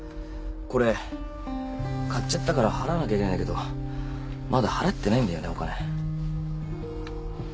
これ買っちゃったから払わなきゃいけないんだけどまだ払ってないんだよねお金。